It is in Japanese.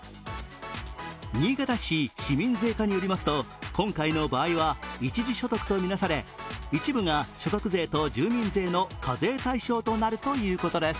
新潟市市民税課によりますと、今回の場合は一時所得とみなされ一部が所得税と住民税の課税対象となるということです。